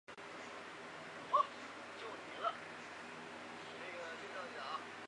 但奥斯本认为偷蛋龙这名称可能会让一般人误解它们的食性与特征。